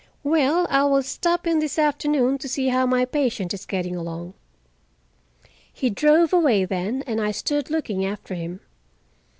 Well, I will stop in this afternoon to see how my patient is getting along." He drove away then, and I stood looking after him.